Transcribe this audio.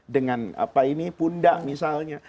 dengan apa ini pundak misalnya